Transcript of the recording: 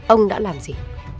ông đã làm gì